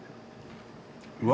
うわ！